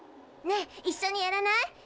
ねえ一緒にやらない？